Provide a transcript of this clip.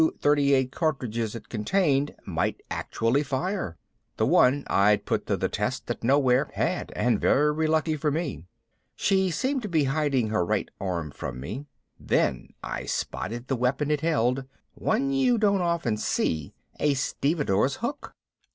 38 cartridges it contained might actually fire. The one I'd put to the test at Nowhere had, and very lucky for me. She seemed to be hiding her right arm from me. Then I spotted the weapon it held, one you don't often see, a stevedore's hook.